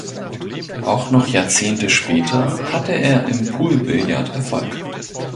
Auch noch Jahrzehnte später hatte er im Poolbillard Erfolg.